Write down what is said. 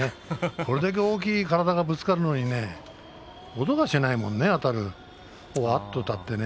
これだけ大きい体がぶつかるのに音がしないものね、あたる。